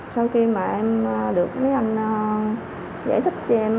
sau khi mà em được mấy anh giải thích cho em